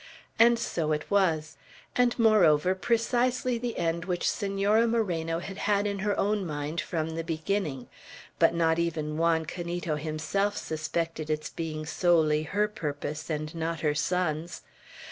And so it was; and, moreover, precisely the end which Senora Moreno had had in her own mind from the beginning; but not even Juan Canito himself suspected its being solely her purpose, and not her son's.